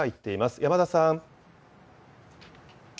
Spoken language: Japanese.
山田さん。